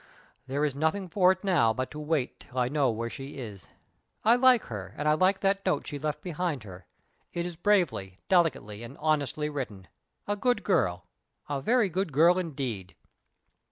There is nothing for it now but to wait till I know where she is. I like her, and I like that note she left behind her. It is bravely, delicately, and honestly written a good girl a very good girl, indeed!"